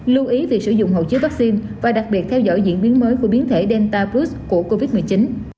lưu ý về sử dụng hậu chế vaccine và đặc biệt theo dõi diễn biến mới của biến thể delta plus của covid một mươi chín